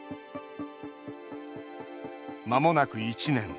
まもなく１年。